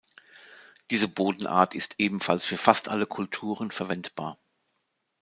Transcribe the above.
Diese Bodenart ist ebenfalls für fast alle Kulturen verwendbar.